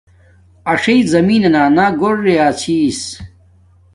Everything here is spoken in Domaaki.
اݽݵ زمین نانا گھور ریس چھس